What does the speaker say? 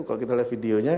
kalau kita lihat videonya